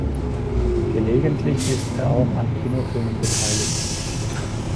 Gelegentlich ist er auch an Kinofilmen beteiligt.